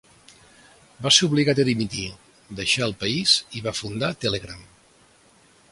Va ser obligat a dimitir, deixar el país i va fundar Telegram.